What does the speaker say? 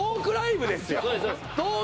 そうです